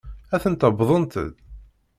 Atent-a wwḍent-d.